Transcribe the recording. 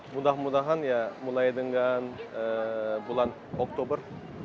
mudah mudahan ya mulai dengan bulan oktober